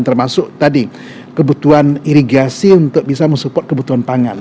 termasuk tadi kebutuhan irigasi untuk bisa mensupport kebutuhan pangan